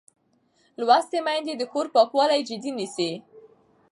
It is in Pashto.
لوستې میندې د کور پاکوالی جدي نیسي.